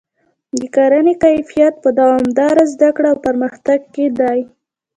د کرنې کیفیت په دوامداره زده کړه او پرمختګ کې دی.